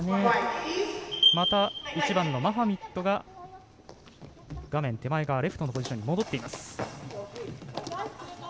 また１番のマハミッドが画面手前側レフトのポジションに戻っています。